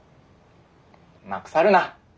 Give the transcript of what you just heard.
まくさるな。